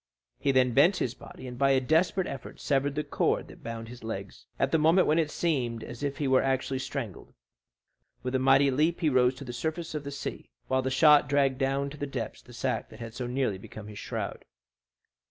He then bent his body, and by a desperate effort severed the cord that bound his legs, at the moment when it seemed as if he were actually strangled. With a mighty leap he rose to the surface of the sea, while the shot dragged down to the depths the sack that had so nearly become his shroud.